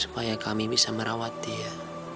supaya kami bisa merawat dia